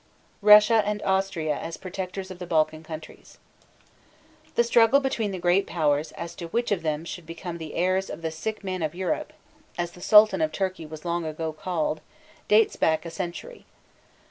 RUSSIA AND AUSTRIA AS PROTECTORS OF THE BALKAN COUNTRIES. The struggle between the great powers as to which of them should become the heirs of "the sick man of Europe," as the Sultan of Turkey was long ago called, dates back about a century.